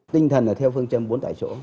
tinh thần là theo phương châm bốn tại chỗ